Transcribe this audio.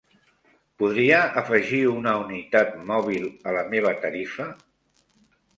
Podria afegir una unitat mòbil a la meva tarifa?